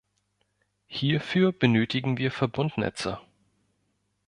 Hierfür benötigen wir Verbundnetze.